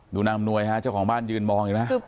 ดูนางอำนวยฮะเจ้าของบ้านยืนมองอีกมั้ย